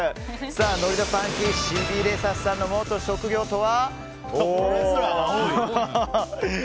ノリ・ダ・ファンキーシビレサスさんの元職業とは。